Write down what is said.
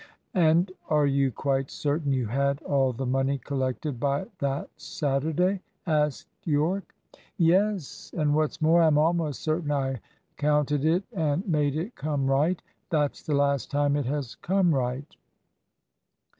"And are you quite certain you had all the money collected by that Saturday?" asked Yorke. "Yes; and what's more, I'm almost certain I counted it and made it come right. That's the last time it has come right."